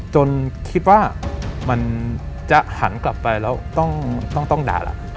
จนคิดว่ามันจะหันกลับไปแล้วต้องด่าล่ะ